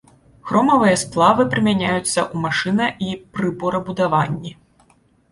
Хромавыя сплавы прымяняюцца ў машына- і прыборабудаванні.